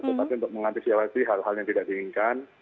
seperti untuk mengantisialisi hal hal yang tidak diinginkan